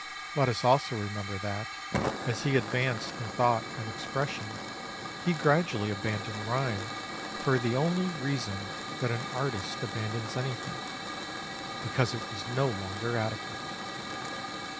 Let us also remember that, as he advanced in thought and expression, he gradually abandoned rhyme for the only reason that an artist abandons anything; because it was no longer adequate.